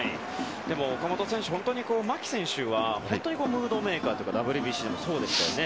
岡本選手、本当に牧選手はムードメーカーというかＷＢＣでもそうでしたよね。